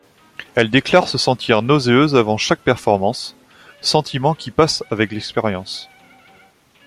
Elle déclare se sentir nauséeuse avant chaque performance, sentiment qui passe avec l'expérience.